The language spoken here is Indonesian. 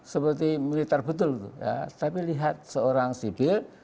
seperti militer betul tapi lihat seorang sipil